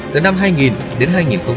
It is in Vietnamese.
từ năm hai nghìn đến hai nghìn tám